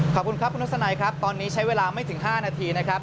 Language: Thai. ขอบคุณครับคุณทัศนัยครับตอนนี้ใช้เวลาไม่ถึง๕นาทีนะครับ